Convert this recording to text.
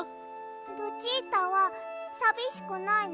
ルチータはさびしくないの？